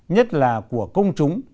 nhất là của công chúng